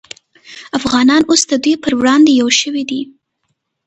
افغانان اوس د دوی پر وړاندې یو شوي دي